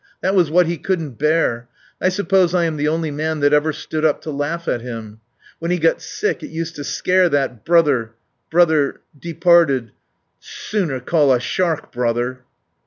That was what he couldn't bear. I suppose I am the only man that ever stood up to laugh at him. When he got sick it used to scare that ... brother. ... Brother. ... Departed. ... Sooner call a shark brother."